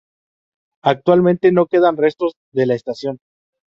Actualmente no quedan restos de la estación.